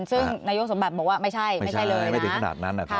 ซึ่งนโยชน์สมบัติบอกว่าไม่ใช่ไม่ได้เลยนะ